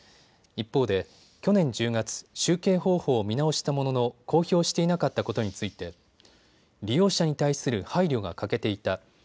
一方で去年１０月、集計方法を見直したものの公表していなかったことについて利用者に対する配慮が欠けていた。